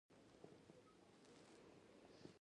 قهوه د شعرونو منځ ته راوړونکې ده